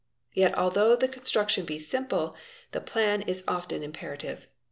Yet although the construc — tion be simple, a plan is often imperative.